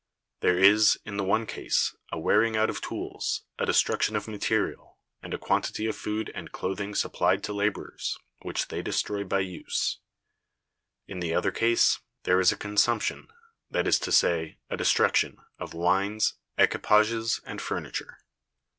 There is, in the one case, a wearing out of tools, a destruction of material, and a quantity of food and clothing supplied to laborers, which they destroy by use; in the other case, there is a consumption, that is to say, a destruction, of wines, equipages, and furniture.